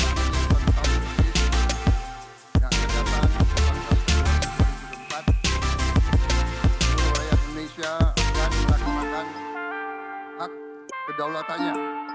perangkapi yang terdapat perangkapi yang terdapat perayaan indonesia akan merakamakan hak kedaulatannya